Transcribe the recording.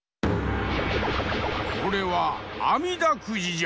これは「あみだくじ」じゃ！